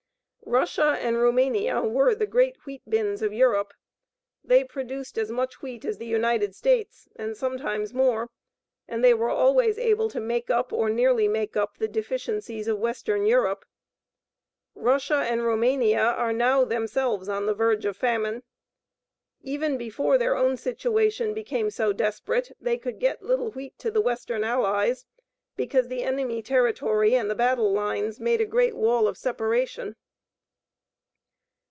Russia and Roumania were the great wheat bins of Europe. They produced as much wheat as the United States, and sometimes more, and they were always able to make up or nearly make up the deficiencies of western Europe. Russia and Roumania are now themselves on the verge of famine. Even before their own situation became so desperate, they could get little wheat to the western Allies, because the enemy territory and the battle lines made a great wall of separation.